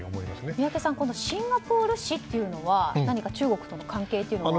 宮家さん、シンガポール紙というのは何か中国との関係は。